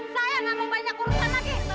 saya nggak mau banyak urusan lagi